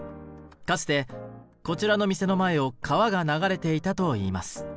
かつてこちらの店の前を川が流れていたといいます。